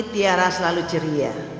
tiara selalu ceria